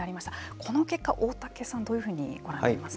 この結果、大竹さんどういうふうにご覧になりますか。